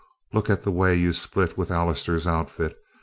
Look at the way you split with Allister's outfit!